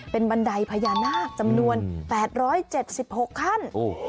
เป็นบันไดพญานาคจำนวน๘๗๖ขั้น